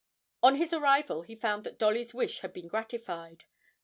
On his arrival, he found that Dolly's wish had been gratified.